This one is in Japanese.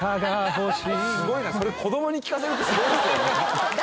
すごいなそれ子供に聴かせるってすごいですよね。